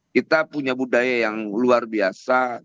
kita punya budaya yang luar biasa